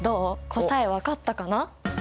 答え分かったかな？